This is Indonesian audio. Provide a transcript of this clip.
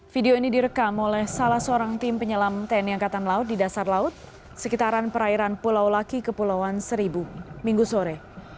video ini direkam oleh salah seorang tim penyelam tni angkatan laut di dasar laut sekitaran perairan pulau laki kepulauan seribu minggu sore